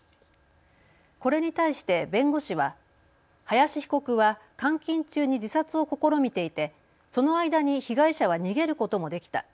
これに対して弁護士は林被告は監禁中に自殺を試みていて、その間に被害者は逃げることもできた。